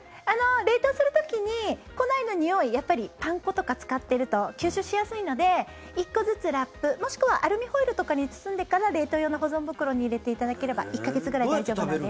冷凍する時に庫内のにおいやっぱりパン粉とか使ってると吸収しやすいので１個ずつラップ、もしくはアルミホイルとかに包んでから冷凍用の保存袋に入れていただければ１か月ぐらい大丈夫なんです。